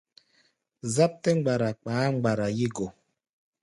Záp tɛ́ mgbara kpaá mgbara yí go.